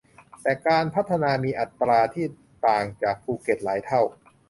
แต่การพัฒนามีอัตราที่ต่างจากภูเก็ตหลายเท่า